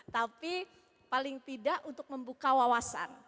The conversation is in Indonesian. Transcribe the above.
tapi paling tidak untuk membuka wawasan